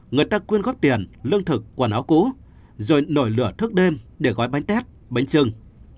người ta quyên góp tiền lương thực quần áo cũ rồi nổi lửa thước đêm để gói bánh tét bánh trưng